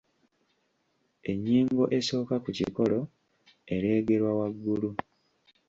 Ennyingo esooka ku kikolo ereegerwa waggulu.